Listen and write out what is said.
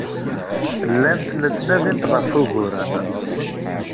Llant la ttnadint ɣef wuguren.